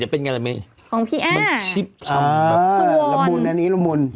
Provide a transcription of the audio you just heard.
จะเป็นยังไงเลยมั้ยของพี่แอ้ออ่าละมุนอันนี้ละมุน